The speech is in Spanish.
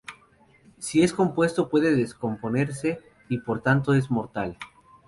Si es compuesto puede descomponerse y, por tanto, es mortal.